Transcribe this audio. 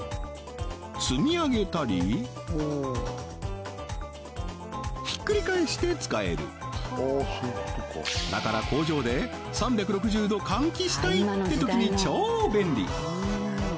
積み上げたりひっくり返して使えるだから工場で３６０度換気したいってときに超便利